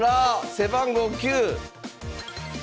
背番号９！